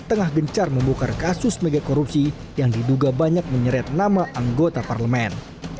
tengah gencar membukar kasus mega korupsi yang diduga banyak menyeret nama anggota parlemen